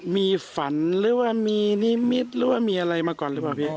มีฝันหรือว่ามีนิมิตหรือว่ามีอะไรมาก่อนหรือเปล่าพี่